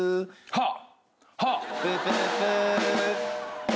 はっ！